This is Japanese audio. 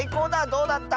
どうだった？